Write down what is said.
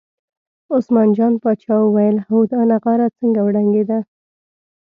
عثمان جان پاچا وویل هو دا نغاره څنګه وډنګېده.